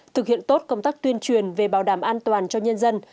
thực hiện tốt công tác tuyên truyền về bảo đảm an toàn cho nhân dân